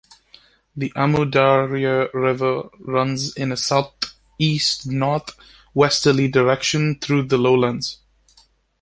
The Amu Darya River runs in a southeast-north-westerly direction through the lowlands.